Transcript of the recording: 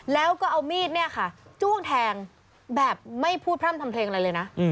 แล้วก็เอามีดเนี่ยค่ะจ้วงแทงแบบไม่พูดพร่ำทำเพลงอะไรเลยนะ